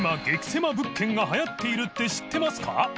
セマ物件がはやっているって知ってますか